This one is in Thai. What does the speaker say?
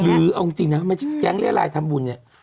หรือเอาจริงนะแก๊งเรียรายทำบุญ